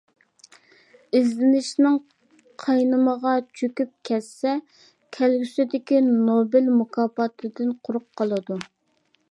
ئىزدىنىشنىڭ قاينىمىغا چۆكۈپ كەتسە، كەلگۈسىدىكى نوبېل مۇكاپاتىدىن قۇرۇق قالىدۇ.